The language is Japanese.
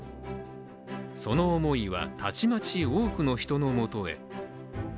その思いはたちまち多くの人の元へ。